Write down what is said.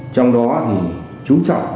trong đó thì chú trọng